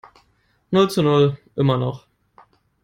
Null zu Null, immer noch.